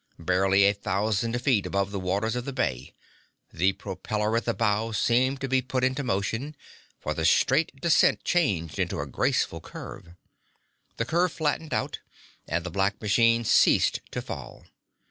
Barely a thousand feet above the waters of the bay, the propeller at the bow seemed to be put into motion, for the straight descent changed into a graceful curve. The curve flattened out, and the black machine ceased to fall.